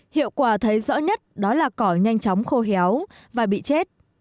hiệu quả thấy rõ nhất đó là cỏ nhanh chóng khô héo và bị chết